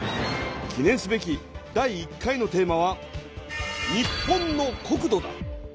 記念すべき第１回のテーマは「日本の国土」だ。